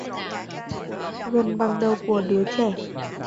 Gần bằng đầu của đứa trẻ